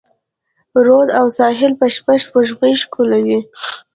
رود او ساحل به شپه، سپوږمۍ ښکلوي